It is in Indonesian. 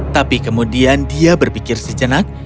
tapi kemudian dia berpikir sejenak